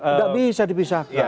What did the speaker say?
nggak bisa dipisahkan